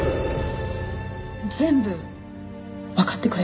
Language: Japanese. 全部わかってくれた？